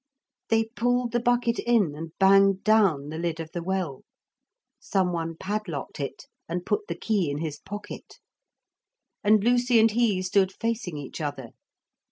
They pulled the bucket in and banged down the lid of the well. Some one padlocked it and put the key in his pocket. And Lucy and he stood facing each other.